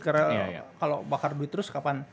karena kalau bakar duit terus kapan